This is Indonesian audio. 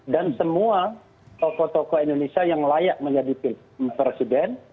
dan semua tokoh tokoh indonesia yang layak menjadi presiden